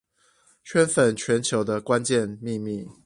圈粉全球的關鍵秘密